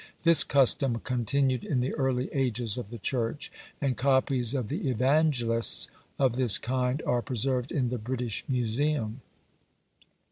This custom continued in the early ages of the church; and copies of the evangelists of this kind are preserved in the British Museum.